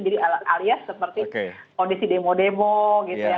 jadi alias seperti kondisi demo demo gitu